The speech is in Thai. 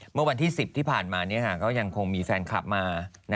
เมื่อวันที่๑๐ที่ผ่านมาก็ยังคงมีแฟนคลับมา